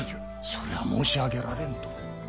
それは申し上げられんと。